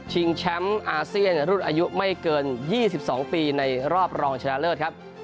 ชิงแชมป์อาเซียนรุดอายุไม่เกินยี่สิบสองปีในรอบรองชนะเลิศครับ